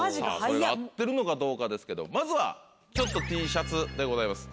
合ってるのかどうかですけどまずはＴシャツでございます。